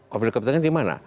konflik kepentingan di mana